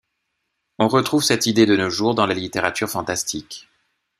On retrouve cette idée de nos jours dans la littérature fantastique.